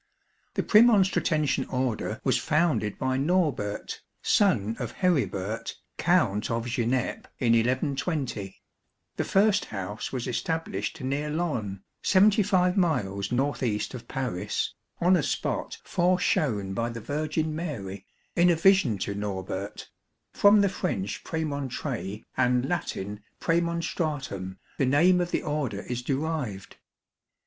The Premonstratensian Order was founded by Norbert, son of Heribert, Count of Geneppe, in 1120. The first house was established near Laon, 75 miles north east of Paris, on a spot fore shown by the Virgin Mary, in a vision to Norbert ; from the French prmontr6 and Latin praemonstratum the name of the Order is derived.